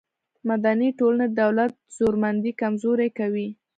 مدني ټولنې د دولت زورمندي کمزورې کوي.